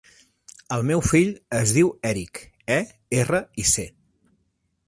El meu fill es diu Eric: e, erra, i, ce.